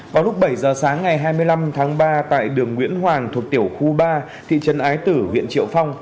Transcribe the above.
vào lúc bảy giờ sáng ngày hai mươi năm tháng ba tại đường nguyễn hoàng thuộc tiểu khu ba thị trấn ái tử huyện triệu phong